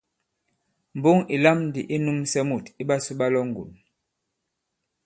Mboŋ ì lam ndī i nūmsɛ mût iɓasū ɓa Lɔ̌ŋgòn.